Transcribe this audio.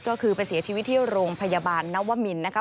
ก็คือไปเสียชีวิตที่โรงพยาบาลนวมินนะคะ